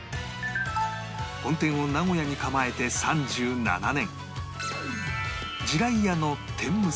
本店を名古屋に構えて３７年